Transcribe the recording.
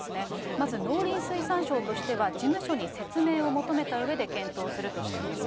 まず農林水産省としては、事務所に説明を求めたうえで検討するとしています。